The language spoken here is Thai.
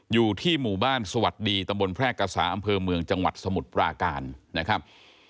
อยู่ที่หมู่บ้านสวัสดีตำบลแพรกษาอำเภอเมืองจังหวัดสมุทรปราการนะครับ